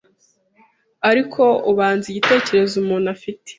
Ariko ubanza igitekerezo umuntu afite